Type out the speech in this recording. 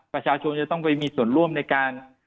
ประชาชนจะต้องไปมีส่วนร่วมในการ